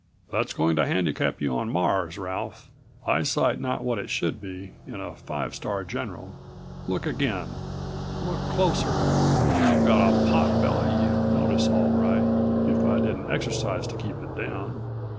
"That's going to handicap you on Mars, Ralph. Eyesight not what it should be in a five star general. Look again, look closer. I've got a pot belly you'd notice, all right, if I didn't exercise to keep it down."